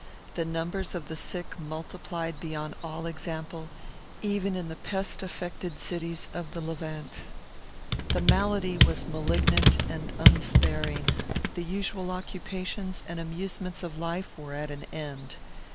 The numbers of the sick multiplied beyond all example; even in the pest affected cities of the Levant. The malady was malignant and unsparing. The usual occupations and amusements of life were at an end.